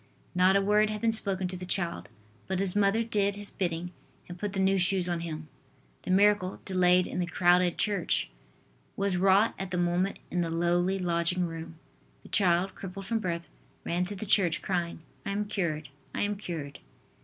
Not a word had been spoken to the child, but his mother did his bidding, and put the new shoes on him. The miracle, delayed in the crowded church, was wrought at the moment in the lowly lodging room. The child, crippled from birth, ran to the church, crying: "I am cured, I am cured."